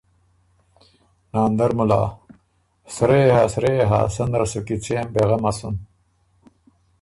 ناندر مُلا ـــ”سرۀ یا سرۀ یا، سنه ره سو کیڅېم، بې غمه سُن۔“